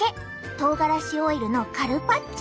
とうがらしオイルのカルパッチョ！